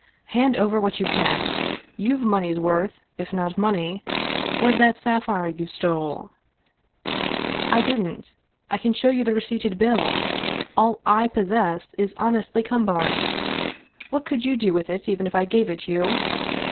Hand over what you can. You've money's worth, if not money. Where's that sapphire you stole ?"" I didn't. I can show you the receipted bill. All / pos sess is honestly come by. What could you do with it, even if I gave it you?